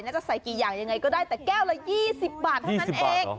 น่าจะใส่กี่อย่างยังไงก็ได้แต่แก้วละยี่สิบบาทเพราะฉะนั้นเอง